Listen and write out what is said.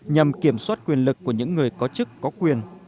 nhằm kiểm soát quyền lực của những người có chức có quyền